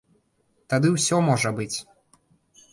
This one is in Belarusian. Тады ўсё можа быць.